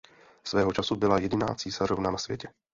Svého času byla jediná císařovna na světě.